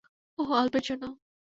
ওহ, অল্পের জন্য!